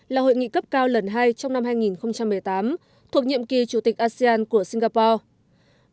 là hội nghị cấp cao lần hai trong năm hai nghìn một mươi tám thuộc nhiệm kỳ chủ tịch asean của singapore